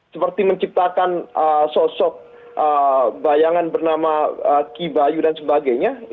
seperti menciptakan sosok bayangan bernama kibayu dan sebagainya